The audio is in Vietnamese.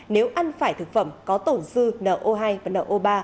nếu ăn phải thực phẩm có tổn dư no hai và no ba